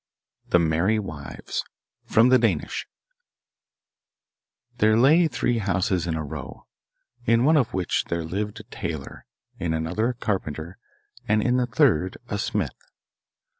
The Merry Wives From the Danish There lay three houses in a row, in one of which there lived a tailor, in another a carpenter, and in the third a smith.